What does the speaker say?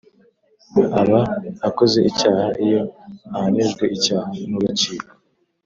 Aba akoze icyaha iyo ahamijwe icyaha n urukiko